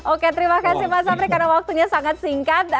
oke terima kasih mas afri karena waktunya sangat singkat